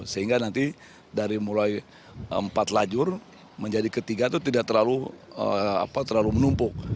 sehingga nanti dari mulai empat lajur menjadi ketiga itu tidak terlalu menumpuk